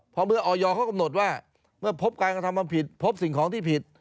พอเมื่อออยเขากำหนดว่าเมื่อพบการกระทำความผิดพบสิ่งของที่ผิด